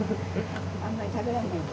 あんまり食べられないんで。